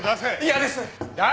嫌です！